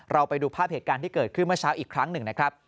ไปดูภาพเหตุการณ์ที่เกิดขึ้นเมื่อเช้าอีกครั้งหนึ่งนะครับ